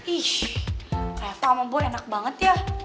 ish reva sama boy enak banget ya